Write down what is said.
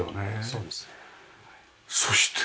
そうですねはい。